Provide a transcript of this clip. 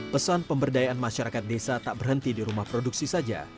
pesan pemberdayaan masyarakat desa tak berhenti di rumah produksi saja